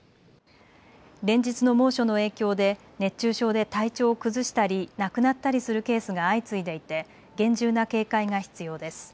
連日の猛暑の影響で熱中症で体調を崩したり亡くなったりするケースが相次いでいて厳重な警戒が必要です。